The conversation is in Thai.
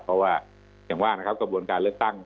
เพราะว่าอย่างว่านะครับกระบวนการเลือกตั้ง